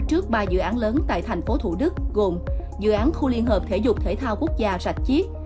trước ba dự án lớn tại thành phố thủ đức gồm dự án khu liên hợp thể dục thể thao quốc gia sạch chiết